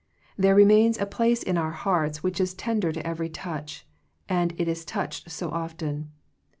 There remains a place in our hearts which is tender to every touch, and it is touched so often.